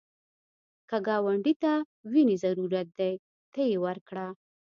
که ګاونډي ته وینې ضرورت دی، ته یې ورکړه